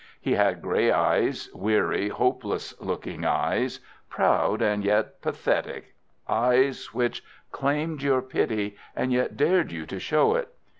He had grey eyes, weary, hopeless looking eyes, proud and yet pathetic, eyes which claimed your pity and yet dared you to show it.